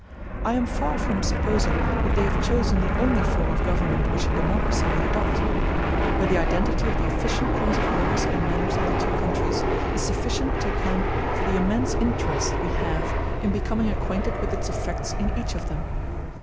I am far from supposing that they have chosen the only form of government which a democracy may adopt; but the identity of the efficient cause of laws and manners in the two countries is sufficient to account for the immense interest we have in becoming acquainted with its effects in each of them.